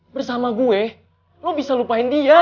bersama gue lo bisa lupain dia